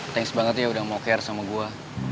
thanks banget ya udah mau care sama gue